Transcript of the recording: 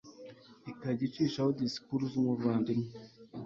ikajya icishaho disikuru z umuvandimwe